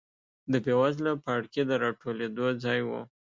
د بېوزله پاړکي د راټولېدو ځای و.